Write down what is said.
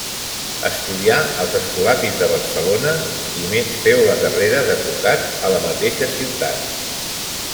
Estudià als Escolapis de Barcelona i més féu la carrera d'advocat a la mateixa ciutat.